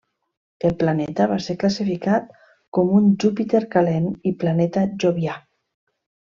El planeta va ser classificat com un Júpiter calent i planeta jovià.